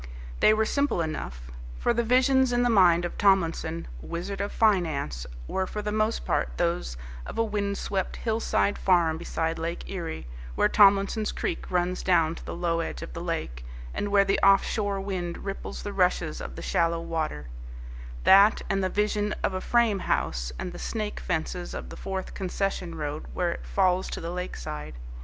They were simple enough. For the visions in the mind of Tomlinson, Wizard of Finance, were for the most part those of a wind swept hillside farm beside Lake Erie, where Tomlinson's Creek runs down to the low edge of the lake, and where the off shore wind ripples the rushes of the shallow water: that, and the vision of a frame house, and the snake fences of the fourth concession road where it falls to the lakeside.